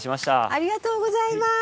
ありがとうございます！